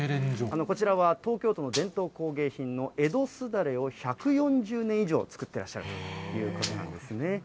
こちらは東京都の伝統工芸品の江戸すだれを１４０年以上、作ってらっしゃるということなんですね。